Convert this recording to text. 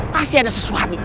pasti ada sesuatu